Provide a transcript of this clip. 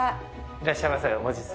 いらっしゃいませ。